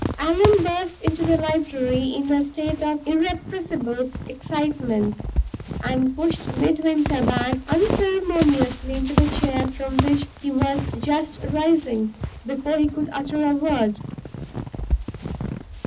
Allan burst into the library, in a state of irrepressible excitement, and pushed Midwinter back unceremoniously into the chair from which he was just rising, before he could utter a word.